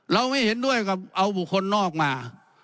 ไม่เห็นด้วยกับเอาบุคคลนอกมา